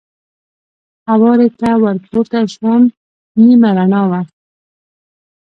هوارې ته ور پورته شوم، نیمه رڼا وه.